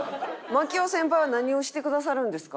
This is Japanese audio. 槙尾先輩は何をしてくださるんですか？